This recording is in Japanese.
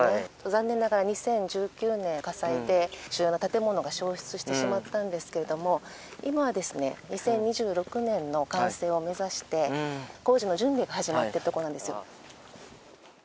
残念ながら、２０１９年、火災で主要な建物が焼失してしまったんですけれども、今は２０２６年の完成を目指して、工事の準備が始まってるところなんですよ。